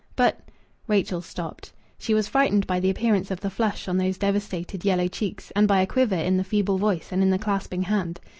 "But " Rachel stopped. She was frightened by the appearance of the flush on those devastated yellow cheeks, and by a quiver in the feeble voice and in the clasping hand.